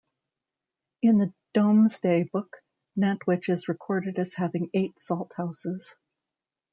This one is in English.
In the Domesday Book, Nantwich is recorded as having eight salt houses.